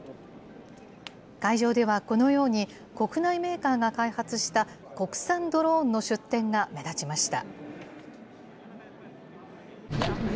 会場ではこのように、国内メーカーが開発した、国産ドローンの出展が目立ちました。